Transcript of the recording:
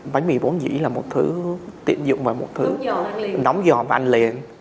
bánh mì bốn dĩ là một thứ tiện dụng và một thứ nóng giòn và ăn liền